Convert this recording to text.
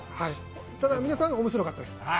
ただ、皆さん面白かったです。